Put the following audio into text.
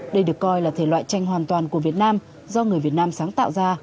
đây được coi là thể loại tranh hoàn toàn của việt nam do người việt nam sáng tạo ra